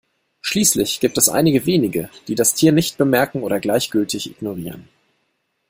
Schließlich gibt es einige wenige, die das Tier nicht bemerken oder gleichgültig ignorieren.